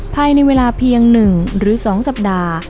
ภายในเวลาเพียง๑หรือ๒สัปดาห์